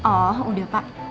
oh udah pak